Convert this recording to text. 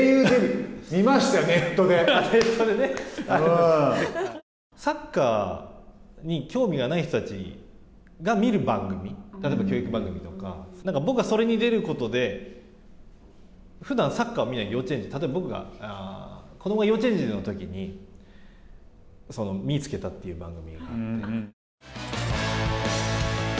声優デビュー、見ましたよ、サッカーに興味がない人たちが見る番組例えば教育番組とか、僕がそれに出ることで、ふだんサッカーを見ない幼稚園児、例えば僕が子どもが幼稚園児のときに、みいつけた！という番組。